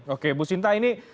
oke bu sinta ini